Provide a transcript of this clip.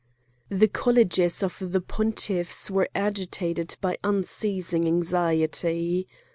'" The colleges of the pontiffs were agitated by unceasing anxiety.